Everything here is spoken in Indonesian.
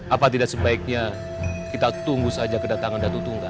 apa tidak sebaiknya kita tunggu saja kedatangan datu tunggal